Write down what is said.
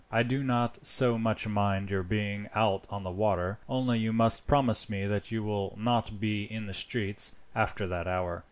I do not so much mind your being out on the water, only you must promise me that you will not be in the streets after that hour.